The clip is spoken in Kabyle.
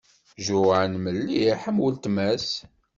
Joan melliḥ am uletma-s.